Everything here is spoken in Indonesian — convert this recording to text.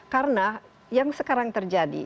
karena yang sekarang terjadi